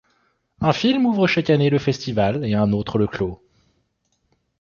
Un film ouvre chaque année le Festival et un autre le clos.